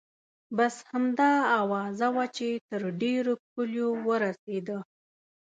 بس همدا اوازه وه چې تر ډېرو کلیو ورسیده.